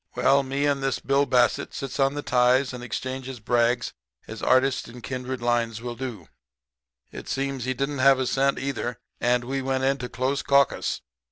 "Well, me and this Bill Bassett sits on the ties and exchanges brags as artists in kindred lines will do. It seems he didn't have a cent, either, and we went into close caucus.